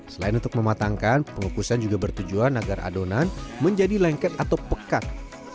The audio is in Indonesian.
selain untuk mematangkan pengukusan juga bertujuan agar adonan menjadi lengket atau pekat